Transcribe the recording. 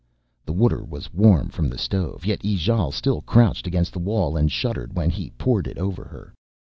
The water was warm from the stove, yet Ijale still crouched against the wall and shuddered when he poured it over her.